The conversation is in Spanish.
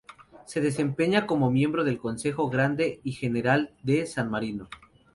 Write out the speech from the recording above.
Se desempeña como miembro del Consejo Grande y General de San Marino.